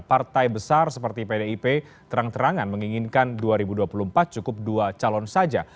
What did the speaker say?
partai besar seperti pdip terang terangan menginginkan dua ribu dua puluh empat cukup dua calon saja